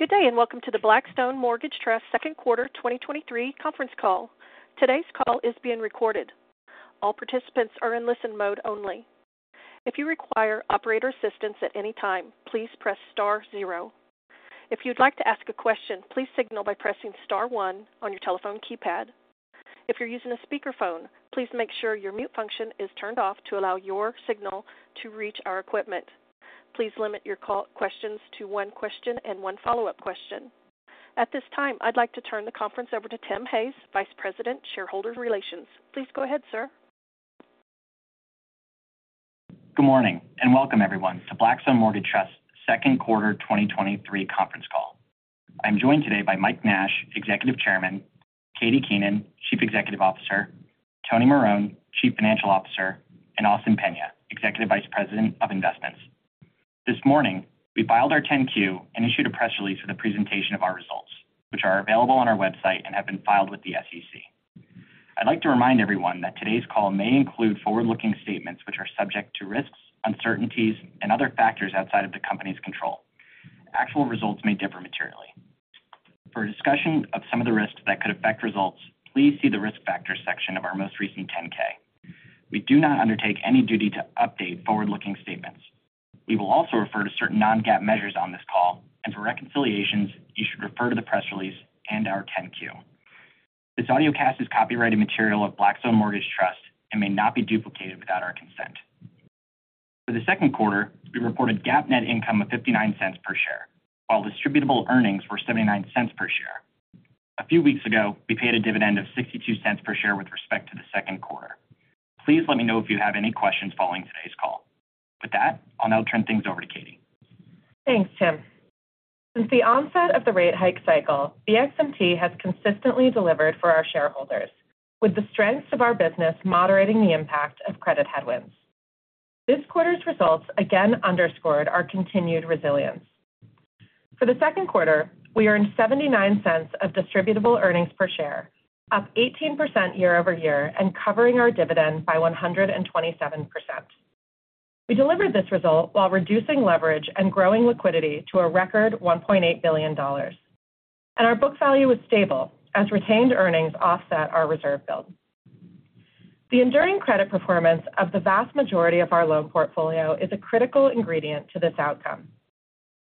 Good day, welcome to the Blackstone Mortgage Trust second quarter 2023 conference call. Today's call is being recorded. All participants are in listen mode only. If you require operator assistance at any time, please press star zero. If you'd like to ask a question, please signal by pressing star one on your telephone keypad. If you're using a speakerphone, please make sure your mute function is turned off to allow your signal to reach our equipment. Please limit your call questions to one question and one follow-up question. At this time, I'd like to turn the conference over to Tim Hayes, Vice President, Shareholder Relations. Please go ahead, sir. Good morning, welcome everyone to Blackstone Mortgage Trust's second quarter 2023 conference call. I'm joined today by Mike Nash, Executive Chairman; Katie Keenan, Chief Executive Officer; Tony Marone, Chief Financial Officer; and Austin Peña, Executive Vice President of Investments. This morning, we filed our 10-Q and issued a press release for the presentation of our results, which are available on our website and have been filed with the SEC. I'd like to remind everyone that today's call may include forward-looking statements which are subject to risks, uncertainties, and other factors outside of the company's control. Actual results may differ materially. For a discussion of some of the risks that could affect results, please see the Risk Factors section of our most recent 10-K. We do not undertake any duty to update forward-looking statements. We will also refer to certain non-GAAP measures on this call, and for reconciliations, you should refer to the press release and our 10-Q. This audiocast is copyrighted material of Blackstone Mortgage Trust and may not be duplicated without our consent. For the second quarter, we reported GAAP net income of $0.59 per share, while distributable earnings were $0.79 per share. A few weeks ago, we paid a dividend of $0.62 per share with respect to the second quarter. Please let me know if you have any questions following today's call. With that, I'll now turn things over to Katie. Thanks, Tim. Since the onset of the rate hike cycle, BXMT has consistently delivered for our shareholders, with the strengths of our business moderating the impact of credit headwinds. This quarter's results again underscored our continued resilience. For the second quarter, we earned $0.79 of distributable earnings per share, up 18% year-over-year and covering our dividend by 127%. We delivered this result while reducing leverage and growing liquidity to a record $1.8 billion. Our book value is stable as retained earnings offset our reserve build. The enduring credit performance of the vast majority of our loan portfolio is a critical ingredient to this outcome.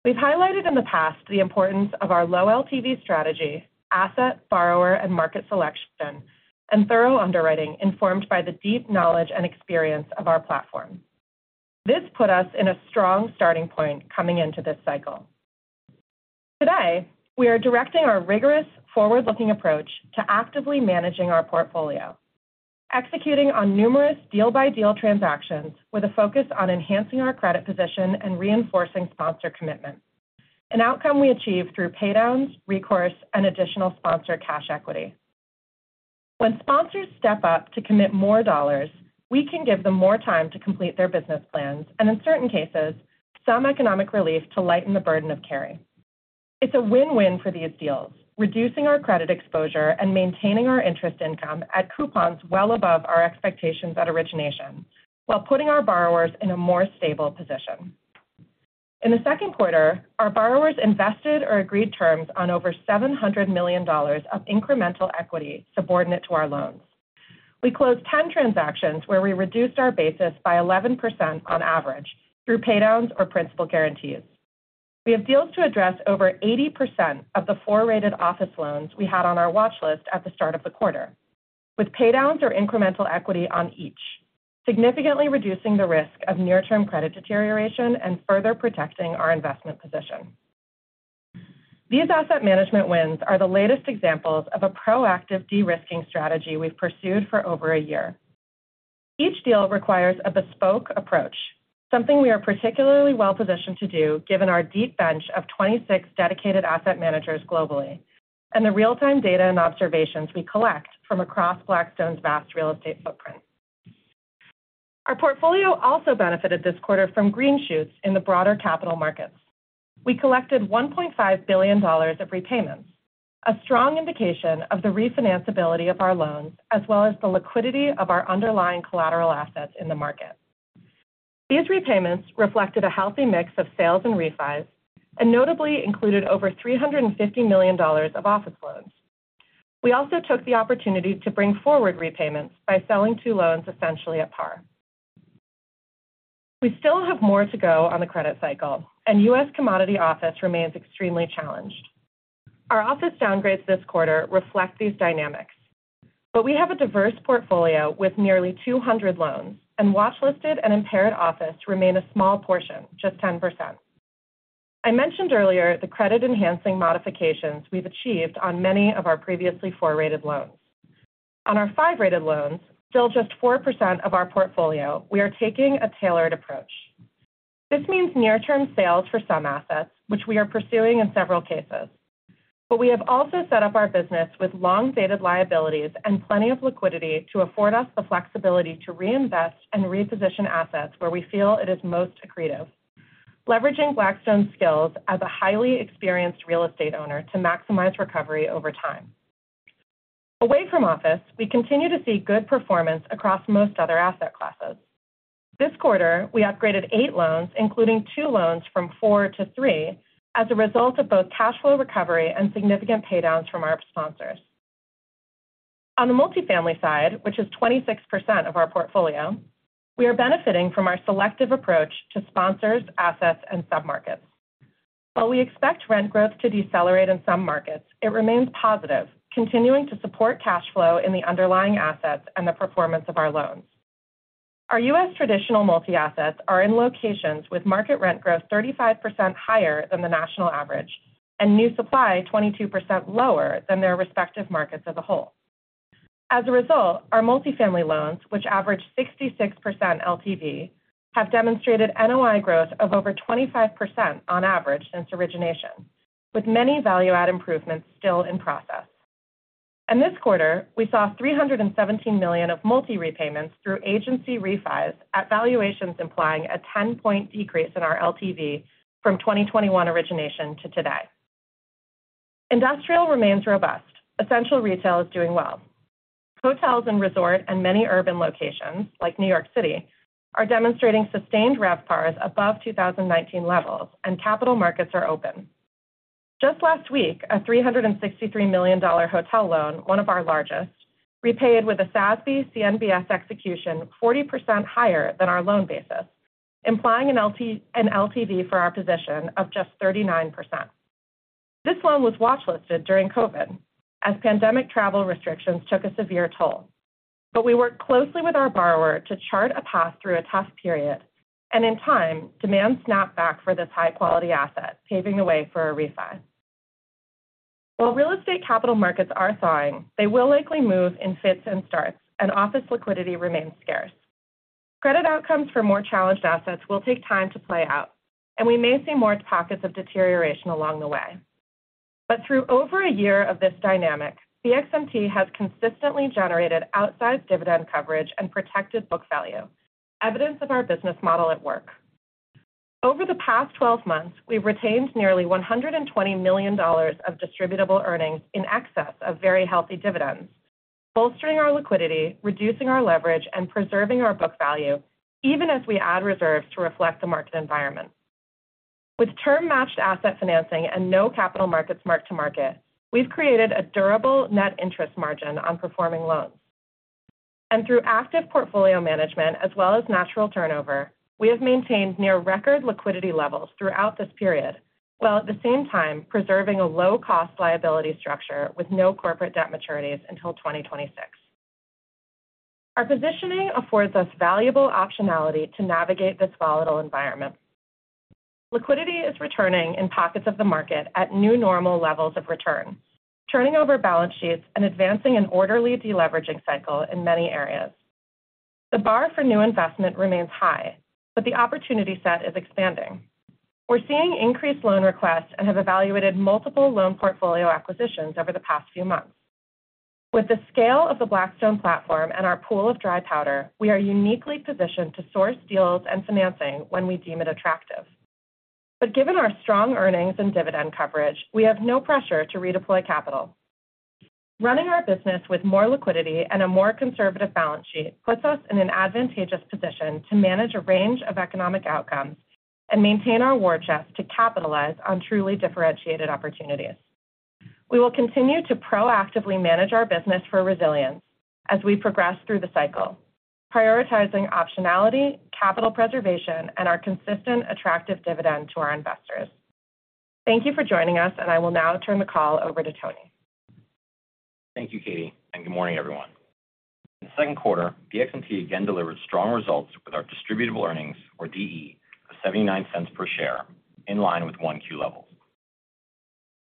We've highlighted in the past the importance of our low LTV strategy, asset, borrower, and market selection, and thorough underwriting informed by the deep knowledge and experience of our platform. This put us in a strong starting point coming into this cycle. Today, we are directing our rigorous forward-looking approach to actively managing our portfolio, executing on numerous deal-by-deal transactions with a focus on enhancing our credit position and reinforcing sponsor commitment, an outcome we achieved through paydowns, recourse, and additional sponsor cash equity. When sponsors step up to commit more dollars, we can give them more time to complete their business plans, and in certain cases, some economic relief to lighten the burden of carry. It's a win-win for these deals, reducing our credit exposure and maintaining our interest income at coupons well above our expectations at origination, while putting our borrowers in a more stable position. In the second quarter, our borrowers invested or agreed terms on over $700 million of incremental equity subordinate to our loans. We closed 10 transactions where we reduced our basis by 11% on average through paydowns or principal guarantees. We have deals to address over 80% of the four rated office loans we had on our watch list at the start of the quarter, with paydowns or incremental equity on each, significantly reducing the risk of near-term credit deterioration and further protecting our investment position. These asset management wins are the latest examples of a proactive de-risking strategy we've pursued for over a year. Each deal requires a bespoke approach, something we are particularly well-positioned to do given our deep bench of 26 dedicated asset managers globally and the real-time data and observations we collect from across Blackstone's vast real estate footprint. Our portfolio also benefited this quarter from green shoots in the broader capital markets. We collected $1.5 billion of repayments, a strong indication of the refinancability of our loans, as well as the liquidity of our underlying collateral assets in the market. These repayments reflected a healthy mix of sales and refis, and notably included over $350 million of office loans. We also took the opportunity to bring forward repayments by selling two loans essentially at par. We still have more to go on the credit cycle, and U.S. commodity office remains extremely challenged. Our office downgrades this quarter reflect these dynamics, but we have a diverse portfolio with nearly 200 loans, and watchlisted and impaired office remain a small portion, just 10%. I mentioned earlier the credit-enhancing modifications we've achieved on many of our previously four rated loans. On our five rated loans, still just 4% of our portfolio, we are taking a tailored approach. This means near-term sales for some assets, which we are pursuing in several cases. We have also set up our business with long-dated liabilities and plenty of liquidity to afford us the flexibility to reinvest and reposition assets where we feel it is most accretive, leveraging Blackstone's skills as a highly experienced real estate owner to maximize recovery over time. Away from office, we continue to see good performance across most other asset classes. This quarter, we upgraded eight loans, including two loans from four to three, as a result of both cash flow recovery and significant paydowns from our sponsors. On the multifamily side, which is 26% of our portfolio, we are benefiting from our selective approach to sponsors, assets, and submarkets. While we expect rent growth to decelerate in some markets, it remains positive, continuing to support cash flow in the underlying assets and the performance of our loans. Our U.S. traditional multi-assets are in locations with market rent growth 35% higher than the national average and new supply 22% lower than their respective markets as a whole. As a result, our multifamily loans, which average 66% LTV, have demonstrated NOI growth of over 25% on average since origination, with many value-add improvements still in process. This quarter, we saw $317 million of multi repayments through agency refis at valuations implying a 10-point decrease in our LTV from 2021 origination to today. Industrial remains robust. Essential retail is doing well. Hotels and resort and many urban locations, like New York City, are demonstrating sustained RevPARs above 2019 levels. Capital markets are open. Just last week, a $363 million hotel loan, one of our largest, repaid with a SASB CMBS execution 40% higher than our loan basis, implying an LTV for our position of just 39%. This loan was watchlisted during COVID, as pandemic travel restrictions took a severe toll. We worked closely with our borrower to chart a path through a tough period, and in time, demand snapped back for this high-quality asset, paving the way for a refi. While real estate capital markets are thawing, they will likely move in fits and starts, and office liquidity remains scarce. Credit outcomes for more challenged assets will take time to play out, and we may see more pockets of deterioration along the way. Through over a year of this dynamic, BXMT has consistently generated outsized dividend coverage and protected book value, evidence of our business model at work. Over the past 12 months, we've retained nearly $120 million of distributable earnings in excess of very healthy dividends, bolstering our liquidity, reducing our leverage, and preserving our book value, even as we add reserves to reflect the market environment. With term-matched asset financing and no capital markets mark to market, we've created a durable net interest margin on performing loans. Through active portfolio management as well as natural turnover, we have maintained near record liquidity levels throughout this period, while at the same time preserving a low-cost liability structure with no corporate debt maturities until 2026. Our positioning affords us valuable optionality to navigate this volatile environment. Liquidity is returning in pockets of the market at new normal levels of return, turning over balance sheets and advancing an orderly deleveraging cycle in many areas. The bar for new investment remains high, but the opportunity set is expanding. We're seeing increased loan requests and have evaluated multiple loan portfolio acquisitions over the past few months. With the scale of the Blackstone platform and our pool of dry powder, we are uniquely positioned to source deals and financing when we deem it attractive. Given our strong earnings and dividend coverage, we have no pressure to redeploy capital. Running our business with more liquidity and a more conservative balance sheet puts us in an advantageous position to manage a range of economic outcomes and maintain our war chest to capitalize on truly differentiated opportunities. We will continue to proactively manage our business for resilience as we progress through the cycle, prioritizing optionality, capital preservation, and our consistent, attractive dividend to our investors. Thank you for joining us. I will now turn the call over to Tony. Thank you, Katie. Good morning, everyone. In the second quarter, BXMT again delivered strong results with our distributable earnings, or DE, of $0.79 per share, in line with 1Q levels.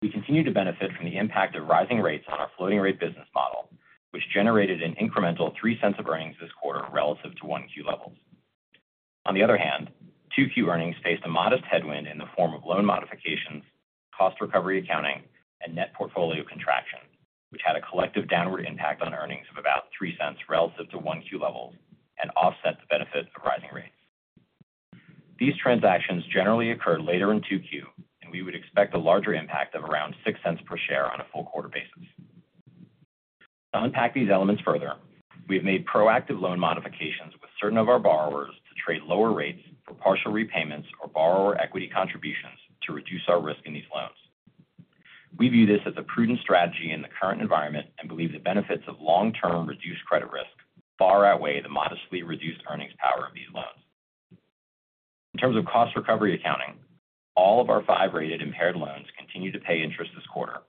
We continue to benefit from the impact of rising rates on our floating rate business model, which generated an incremental $0.03 of earnings this quarter relative to 1Q levels. On the other hand, 2Q earnings faced a modest headwind in the form of loan modifications, cost recovery accounting, and net portfolio contraction, which had a collective downward impact on earnings of about $0.03 relative to 1Q levels and offset the benefit of rising rates. These transactions generally occurred later in 2Q. We would expect a larger impact of around $0.06 per share on a full quarter basis. To unpack these elements further, we have made proactive loan modifications with certain of our borrowers to trade lower rates for partial repayments or borrower equity contributions to reduce our risk in these loans. We view this as a prudent strategy in the current environment and believe the benefits of long-term reduced credit risk far outweigh the modestly reduced earnings power of these loans. In terms of cost recovery accounting, all of our five rated impaired loans continued to pay interest this quarter,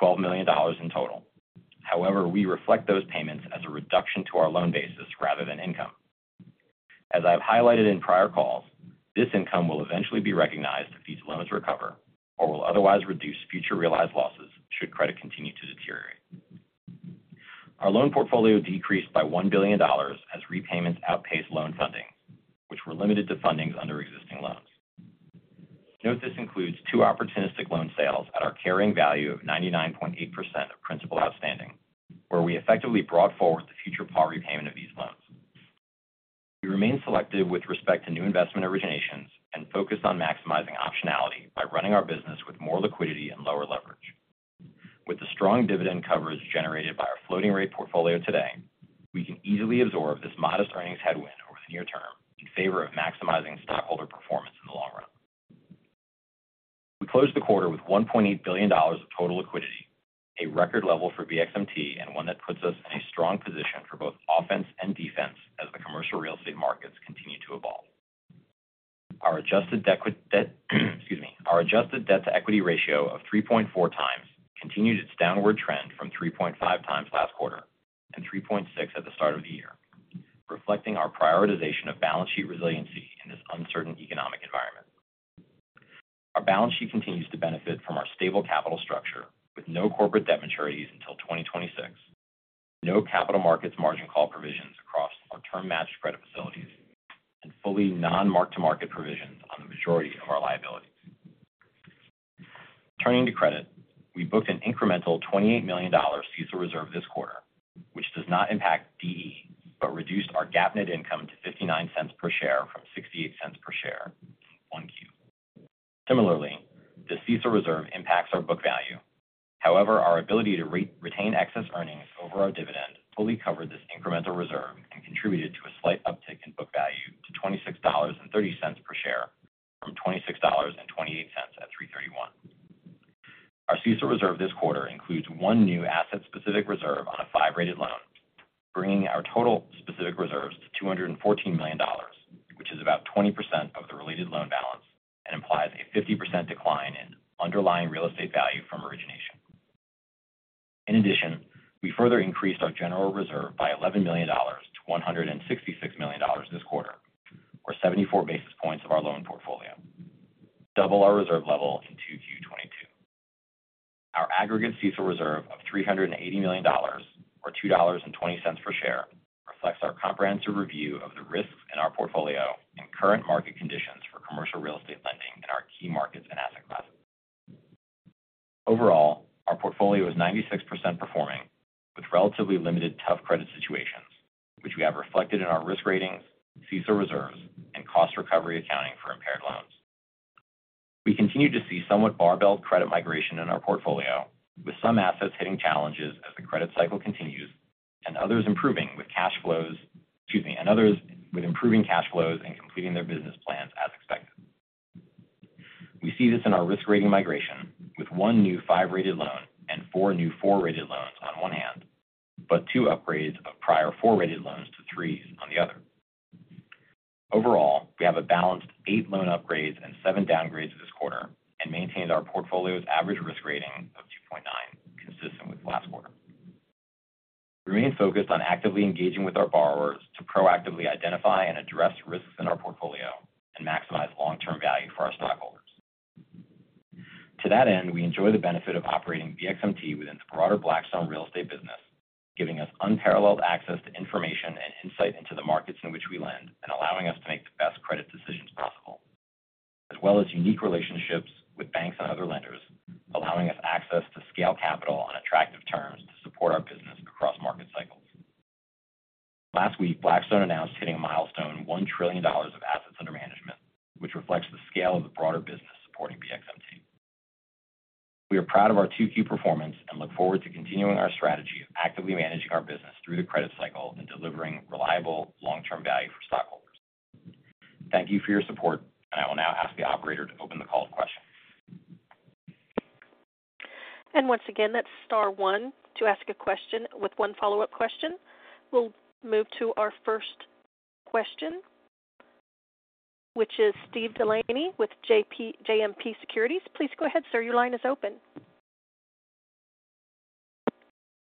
$12 million in total. However, we reflect those payments as a reduction to our loan basis rather than income. As I've highlighted in prior calls, this income will eventually be recognized if these loans recover or will otherwise reduce future realized losses should credit continue to deteriorate. Our loan portfolio decreased by $1 billion as repayments outpaced loan funding, which were limited to fundings under existing loans. Note this includes two opportunistic loan sales at our carrying value of 99.8% of principal outstanding, where we effectively brought forward the future par repayment of these loans. We remain selective with respect to new investment originations and focused on maximizing optionality by running our business with more liquidity and lower leverage. With the strong dividend coverage generated by our floating rate portfolio today, we can easily absorb this modest earnings headwind over the near term in favor of maximizing stockholder performance in the long run. We closed the quarter with $1.8 billion of total liquidity, a record level for BXMT, and one that puts us in a strong position for both offense and defense as the commercial real estate markets continue to evolve. Our adjusted debt, excuse me. Our adjusted debt-to-equity ratio of 3.4 times continued its downward trend from 3.5 times last quarter to 3.6 at the start of the year, reflecting our prioritization of balance sheet resiliency in this uncertain economic environment. Our balance sheet continues to benefit from our stable capital structure, with no corporate debt maturities until 2026, no capital markets margin call provisions across our term-matched credit facilities, and fully non-mark-to-market provisions on the majority of our liabilities. Turning to credit, we booked an incremental $28 million CECL reserve this quarter, which does not impact DE, but reduced our GAAP net income to $0.59 per share from $0.68 per share on Q. Similarly, the CECL reserve impacts our book value. However, our ability to re-retain excess earnings over our dividend fully covered this incremental reserve and contributed to a slight uptick in book value to $26.30 per share, from $26.28 at 3/31. Our CECL reserve this quarter includes one new asset-specific reserve on a five rated loan, bringing our total specific reserves to $214 million, which is about 20% of the related loan balance and implies a 50% decline in underlying real estate value from origination. In addition, we further increased our general reserve by $11 million to $166 million this quarter, or 74 basis points of our loan portfolio, double our reserve level in 2Q 2022. Our aggregate CECL reserve of $380 million, or $2.20 per share, reflects our comprehensive review of the risks in our portfolio and current market conditions for commercial real estate lending in our key markets and asset classes. Overall, our portfolio is 96% performing, with relatively limited tough credit situations, which we have reflected in our risk ratings, CECL reserves, and cost recovery accounting for impaired loans. We continue to see somewhat barbell credit migration in our portfolio, with some assets hitting challenges as the credit cycle continues, excuse me, and others with improving cash flows and completing their business plans as expected. We see this in our risk rating migration, with one new five rated loan and four new four rated loans on one hand, but two upgrades of prior four rated loans to threes on the other. Overall, we have a balanced eight loan upgrades and seven downgrades this quarter and maintained our portfolio's average risk rating of 2.9, consistent with last quarter. We remain focused on actively engaging with our borrowers to proactively identify and address risks in our portfolio and maximize long-term value for our stockholders. To that end, we enjoy the benefit of operating BXMT within the broader Blackstone real estate business, giving us unparalleled access to information and insight into the markets in which we lend and allowing us to make the best credit decisions possible, as well as unique relationships with banks and other lenders, allowing us access to scale capital on attractive terms to support our business across market cycles. Last week, Blackstone announced hitting a milestone $1 trillion of assets under management, which reflects the scale of the broader business supporting BXMT. We are proud of our 2Q performance and look forward to continuing our strategy of actively managing our business through the credit cycle and delivering reliable long-term value for stockholders. Thank you for your support, I will now ask the operator to open the call to questions. Once again, that's star one to ask a question with one follow-up question. We'll move to our first question, which is Steve DeLaney with JMP Securities. Please go ahead, sir. Your line is open.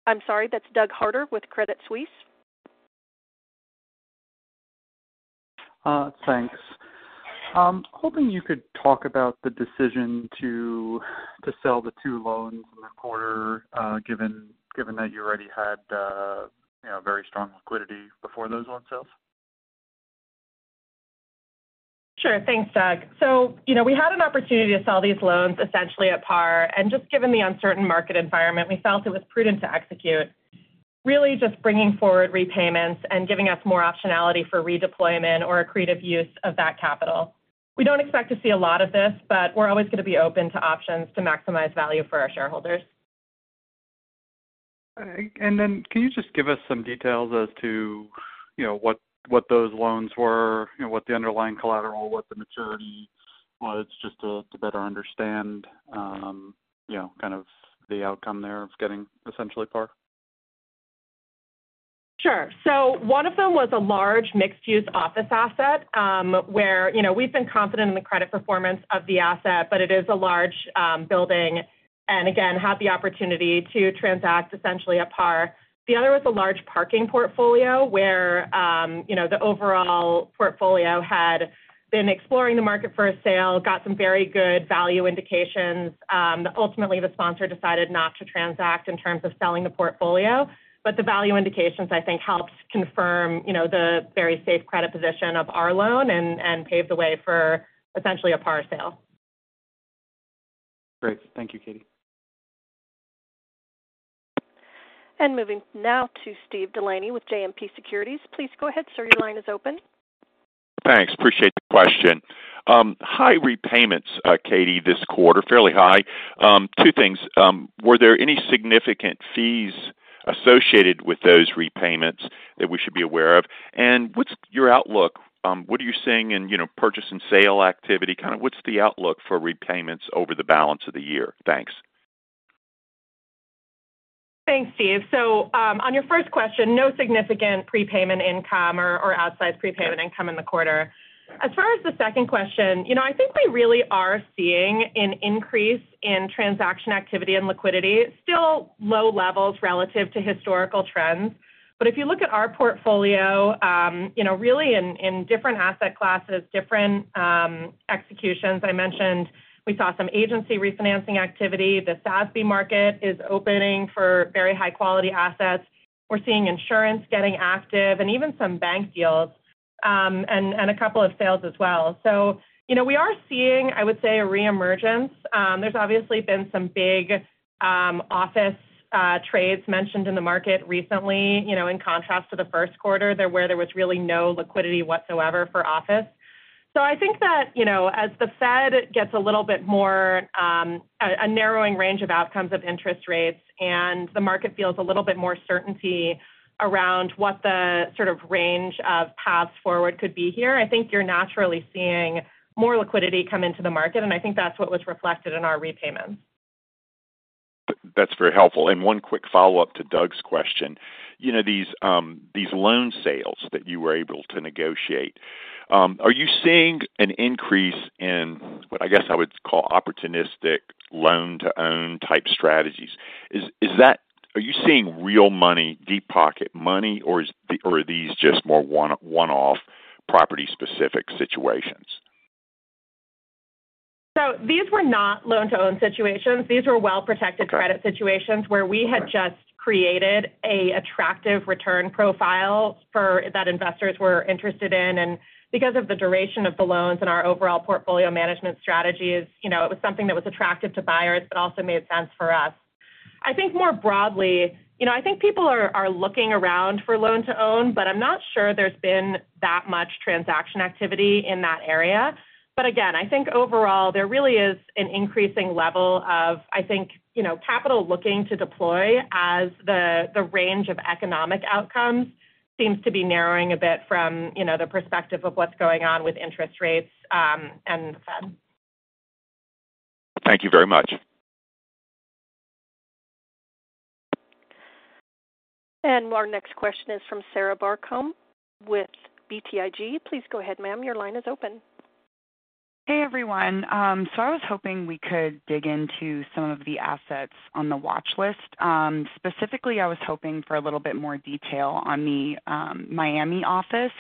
I'm sorry, that's Doug Harter with Credit Suisse. Thanks. Hoping you could talk about the decision to sell the two loans in the quarter, given that you already had, you know, very strong liquidity before those loan sales. Sure. Thanks, Doug. You know, we had an opportunity to sell these loans essentially at par, and just given the uncertain market environment, we felt it was prudent to execute, really just bringing forward repayments and giving us more optionality for redeployment or a creative use of that capital. We don't expect to see a lot of this, but we're always going to be open to options to maximize value for our shareholders. Can you just give us some details as to, you know, what those loans were, you know, what the underlying collateral, what the maturity was, just to better understand, you know, kind of the outcome there of getting essentially par? Sure. One of them was a large mixed-use office asset, where, you know, we've been confident in the credit performance of the asset, but it is a large building, and again, had the opportunity to transact essentially at par. The other was a large parking portfolio, where, you know, the overall portfolio had been exploring the market for a sale, got some very good value indications. Ultimately, the sponsor decided not to transact in terms of selling the portfolio, but the value indications, I think, helped confirm, you know, the very safe credit position of our loan and paved the way for essentially a par sale. Great. Thank you, Katie. Moving now to Steve DeLaney with JMP Securities. Please go ahead, sir. Your line is open. Thanks. Appreciate the question. High repayments, Katie, this quarter, fairly high. Two things: Were there any significant fees associated with those repayments that we should be aware of? What's your outlook? What are you seeing in, you know, purchase and sale activity? Kind of what's the outlook for repayments over the balance of the year? Thanks. Thanks, Steve. On your first question, no significant prepayment income or outsized prepayment income in the quarter. As far as the second question, you know, I think we really are seeing an increase in transaction activity and liquidity. Still low levels relative to historical trends. If you look at our portfolio, you know, really in different asset classes, different executions, I mentioned we saw some agency refinancing activity. The SASB market is opening for very high-quality assets. We're seeing insurance getting active and even some bank deals, and a couple of sales as well. You know, we are seeing, I would say, a reemergence. There's obviously been some big office trades mentioned in the market recently, you know, in contrast to the first quarter, where there was really no liquidity whatsoever for office. I think that, you know, as the Fed gets a little bit more, a narrowing range of outcomes of interest rates, and the market feels a little bit more certainty around what the sort of range of paths forward could be here, I think you're naturally seeing more liquidity come into the market, and I think that's what was reflected in our repayments. That's very helpful. One quick follow-up to Doug's question. You know, these loan sales that you were able to negotiate, are you seeing an increase in what I guess I would call opportunistic loan-to-own type strategies? Are you seeing real money, deep pocket money, or are these just more one-off, property-specific situations? These were not loan-to-own situations. These were well-protected credit situations where we had just created a attractive return profile that investors were interested in. Because of the duration of the loans and our overall portfolio management strategies, you know, it was something that was attractive to buyers but also made sense for us. I think more broadly, you know, I think people are looking around for loan-to-own, but I'm not sure there's been that much transaction activity in that area. Again, I think overall, there really is an increasing level of, I think, you know, capital looking to deploy as the range of economic outcomes seems to be narrowing a bit from, you know, the perspective of what's going on with interest rates and the Fed. Thank you very much. Our next question is from Sarah Barcomb with BTIG. Please go ahead, ma'am. Your line is open. Hey, everyone. I was hoping we could dig into some of the assets on the watch list. Specifically, I was hoping for a little bit more detail on the Miami office.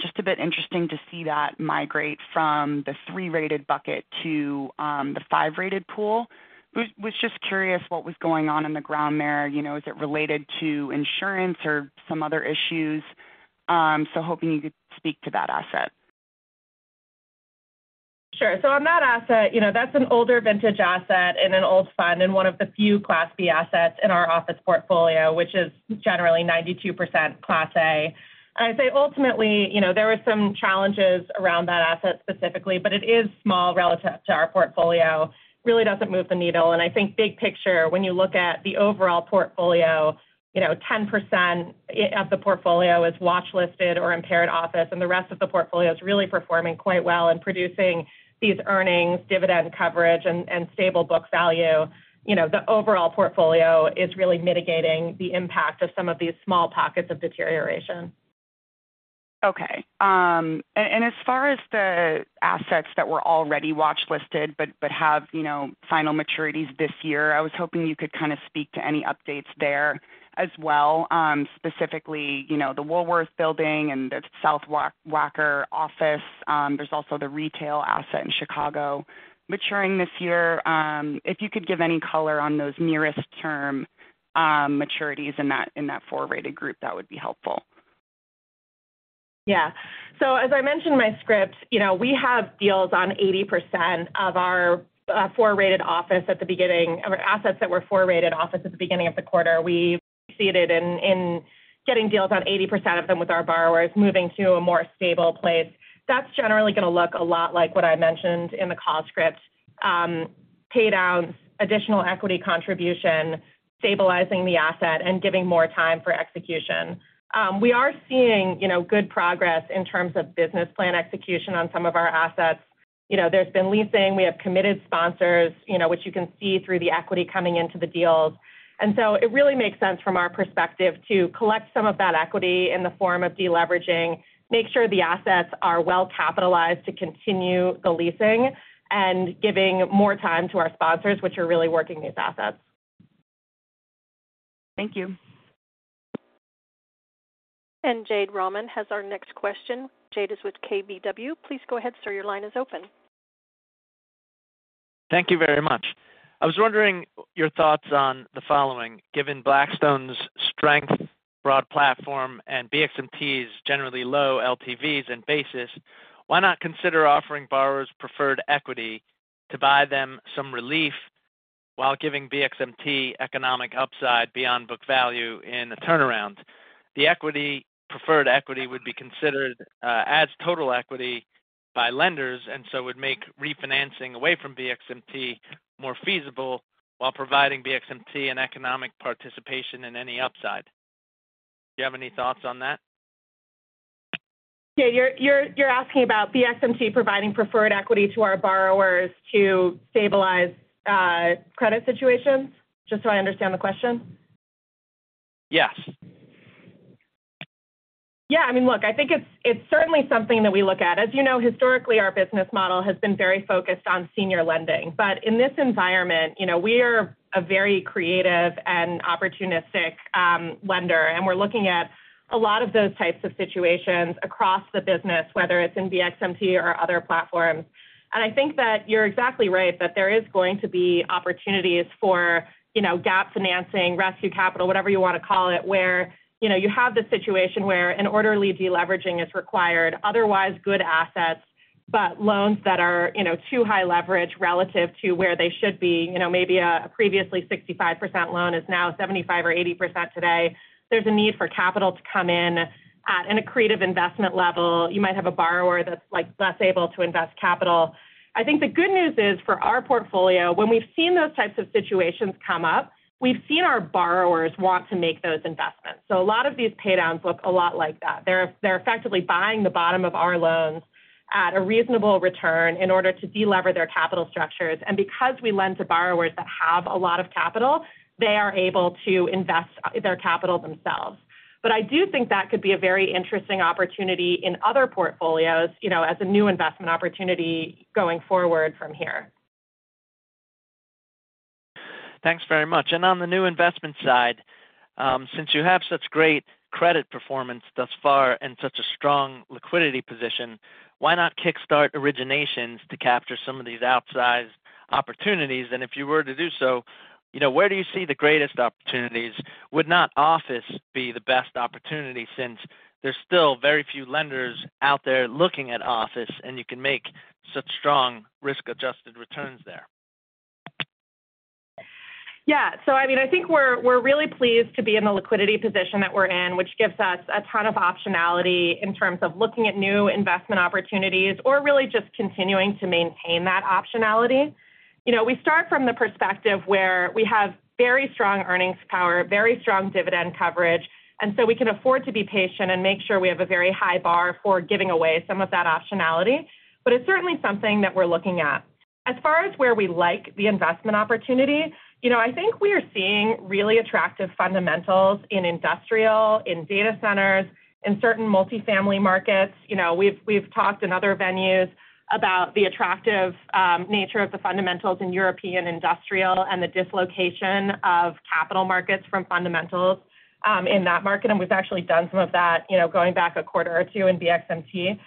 Just a bit interesting to see that migrate from the three rated bucket to the five rated pool. Was just curious what was going on on the ground there. You know, is it related to insurance or some other issues? Hoping you could speak to that asset. Sure. On that asset, you know, that's an older vintage asset in an old fund and one of the few Class B assets in our office portfolio, which is generally 92% Class A. I'd say ultimately, you know, there were some challenges around that asset specifically, but it is small relative to our portfolio, really doesn't move the needle. I think big picture, when you look at the overall portfolio, you know, 10% of the portfolio is watchlisted or impaired office, and the rest of the portfolio is really performing quite well and producing these earnings, dividend coverage, and stable book value. You know, the overall portfolio is really mitigating the impact of some of these small pockets of deterioration. Okay. As far as the assets that were already watchlisted but have, you know, final maturities this year, I was hoping you could kind of speak to any updates there as well, specifically, you know, the Woolworth Building and the South Wacker office. There's also the retail asset in Chicago maturing this year. If you could give any color on those nearest term, maturities in that four rated group, that would be helpful. As I mentioned in my script, you know, we have deals on 80% of our four rated office assets that were four rated office at the beginning of the quarter. We succeeded in getting deals on 80% of them with our borrowers, moving to a more stable place. That's generally going to look a lot like what I mentioned in the call script. Pay downs, additional equity contribution, stabilizing the asset, and giving more time for execution. We are seeing, you know, good progress in terms of business plan execution on some of our assets. There's been leasing. We have committed sponsors, you know, which you can see through the equity coming into the deals. It really makes sense from our perspective to collect some of that equity in the form of deleveraging, make sure the assets are well-capitalized to continue the leasing, and giving more time to our sponsors, which are really working these assets. Thank you. Jade Rahmani has our next question. Jade is with KBW. Please go ahead, sir. Your line is open. Thank you very much. I was wondering your thoughts on the following: Given Blackstone's strength, broad platform, and BXMT's generally low LTVs and basis, why not consider offering borrowers preferred equity to buy them some relief while giving BXMT economic upside beyond book value in a turnaround? The equity, preferred equity would be considered as total equity by lenders, and so would make refinancing away from BXMT more feasible while providing BXMT an economic participation in any upside. Do you have any thoughts on that? Yeah, you're asking about BXMT providing preferred equity to our borrowers to stabilize credit situations? Just so I understand the question. Yes. Yeah, I mean, look, I think it's certainly something that we look at. As you know, historically, our business model has been very focused on senior lending. In this environment, you know, we are a very creative and opportunistic lender, and we're looking at a lot of those types of situations across the business, whether it's in BXMT or other platforms. I think that you're exactly right, that there is going to be opportunities for, you know, gap financing, rescue capital, whatever you want to call it, where, you know, you have this situation where an orderly deleveraging is required, otherwise good assets, but loans that are, you know, too high leverage relative to where they should be. You know, maybe a previously 65% loan is now 75% or 80% today. There's a need for capital to come in at a creative investment level. You might have a borrower that's, like, less able to invest capital. I think the good news is for our portfolio, when we've seen those types of situations come up, we've seen our borrowers want to make those investments. A lot of these paydowns look a lot like that. They're effectively buying the bottom of our loans at a reasonable return in order to delever their capital structures. Because we lend to borrowers that have a lot of capital, they are able to invest their capital themselves. I do think that could be a very interesting opportunity in other portfolios, you know, as a new investment opportunity going forward from here. Thanks very much. On the new investment side, since you have such great credit performance thus far and such a strong liquidity position, why not kickstart originations to capture some of these outsized opportunities? If you were to do so, you know, where do you see the greatest opportunities? Would not office be the best opportunity, since there's still very few lenders out there looking at office, and you can make such strong risk-adjusted returns there? I mean, I think we're really pleased to be in the liquidity position that we're in, which gives us a ton of optionality in terms of looking at new investment opportunities or really just continuing to maintain that optionality. You know, we start from the perspective where we have very strong earnings power, very strong dividend coverage, we can afford to be patient and make sure we have a very high bar for giving away some of that optionality, but it's certainly something that we're looking at. As far as where we like the investment opportunity, you know, I think we are seeing really attractive fundamentals in industrial, in data centers, in certain multifamily markets. You know, we've talked in other venues about the attractive nature of the fundamentals in European industrial and the dislocation of capital markets from fundamentals in that market, and we've actually done some of that, you know, going back a quarter or two in BXMT.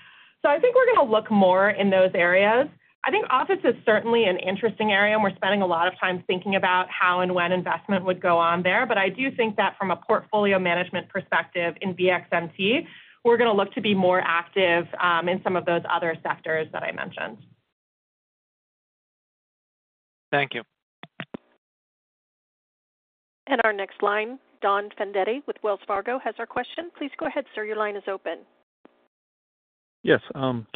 I think we're going to look more in those areas. I think office is certainly an interesting area, and we're spending a lot of time thinking about how and when investment would go on there. I do think that from a portfolio management perspective in BXMT, we're going to look to be more active in some of those other sectors that I mentioned. Thank you. Our next line, Don Fandetti with Wells Fargo, has our question. Please go ahead, sir. Your line is open. Yes,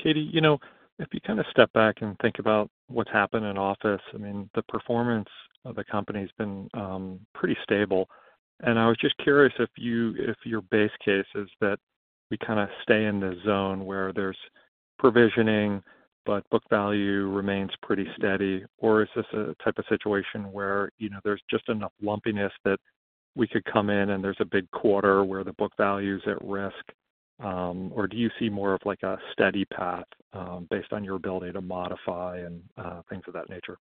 Katie, you know, if you kind of step back and think about what's happened in office, I mean, the performance of the company has been pretty stable. I was just curious if your base case is that we kind of stay in the zone where there's provisioning, but book value remains pretty steady, or is this a type of situation where, you know, there's just enough lumpiness that we could come in and there's a big quarter where the book value is at risk, or do you see more of like a steady path, based on your ability to modify and things of that nature?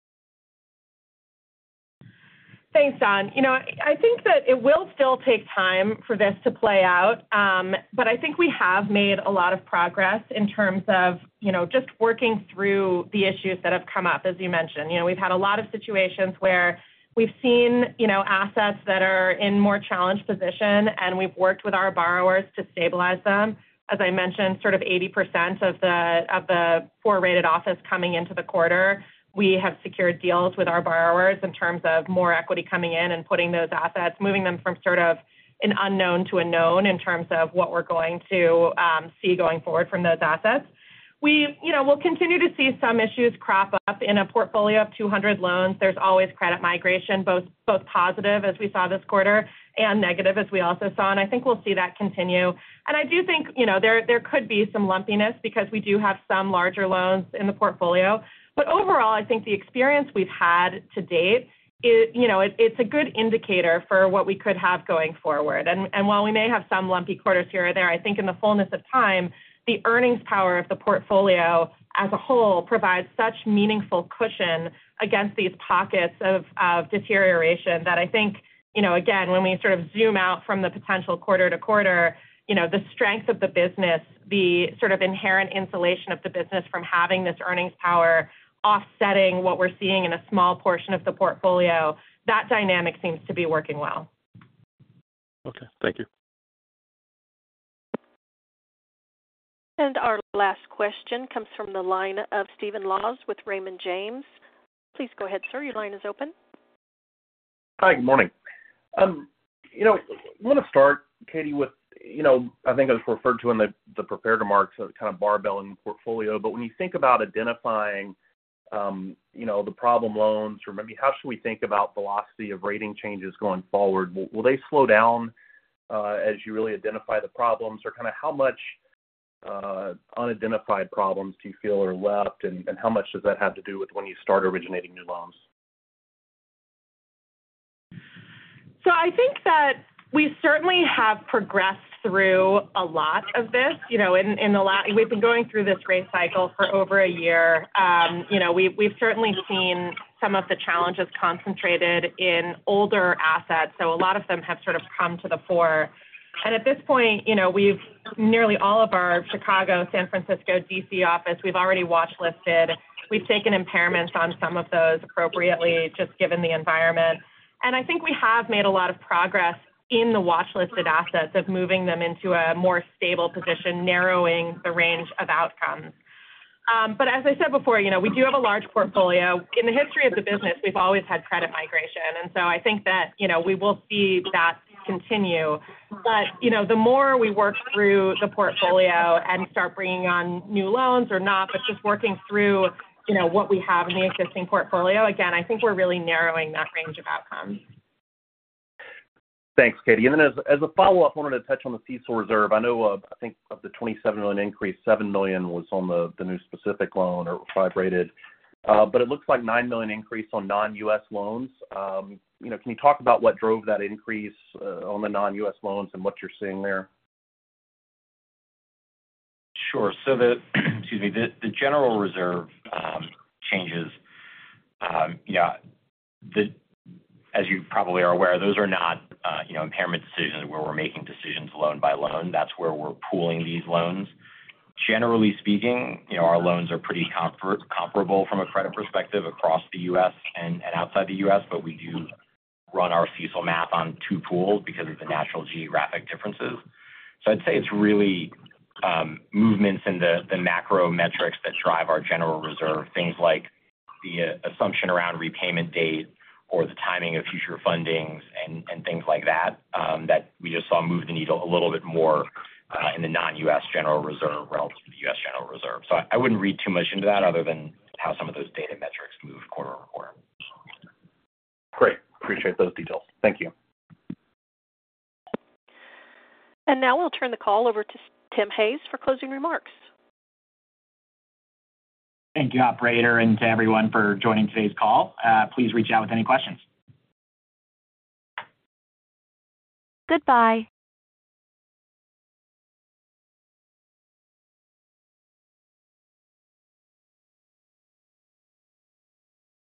Thanks, Don. You know, I think that it will still take time for this to play out, but I think we have made a lot of progress in terms of, you know, just working through the issues that have come up, as you mentioned. You know, we've had a lot of situations where we've seen, you know, assets that are in more challenged position, and we've worked with our borrowers to stabilize them. As I mentioned, sort of 80% of the, of the poor rated office coming into the quarter, we have secured deals with our borrowers in terms of more equity coming in and putting those assets, moving them from sort of an unknown to a known in terms of what we're going to see going forward from those assets. You know, we'll continue to see some issues crop up. In a portfolio of 200 loans, there's always credit migration, both positive, as we saw this quarter, and negative, as we also saw, and I think we'll see that continue. I do think, you know, there could be some lumpiness because we do have some larger loans in the portfolio. Overall, I think the experience we've had to date, you know, it's a good indicator for what we could have going forward. While we may have some lumpy quarters here or there, I think in the fullness of time, the earnings power of the portfolio as a whole provides such meaningful cushion against these pockets of deterioration that I think, you know, again, when we sort of zoom out from the potential quarter to quarter, you know, the strength of the business, the sort of inherent insulation of the business from having this earnings power offsetting what we're seeing in a small portion of the portfolio, that dynamic seems to be working well. Okay. Thank you. Our last question comes from the line of Stephen Laws with Raymond James. Please go ahead, sir. Your line is open. Hi, good morning. You know, I want to start, Katie, with, you know, I think it was referred to in the prepared remarks, kind of barbell in the portfolio. When you think about identifying, you know, the problem loans, or maybe how should we think about velocity of rating changes going forward? Will they slow down as you really identify the problems, or kind of how much unidentified problems do you feel are left, and how much does that have to do with when you start originating new loans? I think that we certainly have progressed through a lot of this. You know, we've been going through this rate cycle for over a year. You know, we've certainly seen some of the challenges concentrated in older assets, so a lot of them have sort of come to the fore. At this point, you know, we've nearly all of our Chicago, San Francisco, D.C. office, we've already watchlisted. We've taken impairments on some of those appropriately, just given the environment. I think we have made a lot of progress in the watchlisted assets of moving them into a more stable position, narrowing the range of outcomes. As I said before, you know, we do have a large portfolio. In the history of the business, we've always had credit migration, I think that, you know, we will see that continue. You know, the more we work through the portfolio and start bringing on new loans or not, but just working through, you know, what we have in the existing portfolio, again, I think we're really narrowing that range of outcomes. Thanks, Katie. Then as a follow-up, I wanted to touch on the CECL reserve. I know, I think of the $27 million increase, $7 million was on the new specific loan or five rated. It looks like $9 million increase on non-U.S. loans. You know, can you talk about what drove that increase on the non-U.S. loans and what you're seeing there? Sure. The, excuse me, the general reserve changes. As you probably are aware, those are not, you know, impairment decisions where we're making decisions loan by loan. That's where we're pooling these loans. Generally speaking, you know, our loans are pretty comparable from a credit perspective across the U.S. and outside the U.S., but we do run our CECL model on two pools because of the natural geographic differences. I'd say it's really movements in the macro metrics that drive our general reserve, things like the assumption around repayment date or the timing of future fundings and things like that we just saw move the needle a little bit more in the non-U.S. general reserve relative to the U.S. general reserve. I wouldn't read too much into that other than how some of those data metrics move quarter-over-quarter. Great. Appreciate those details. Thank you. Now we'll turn the call over to Tim Hayes for closing remarks. Thank you, operator, and to everyone for joining today's call. Please reach out with any questions. Goodbye.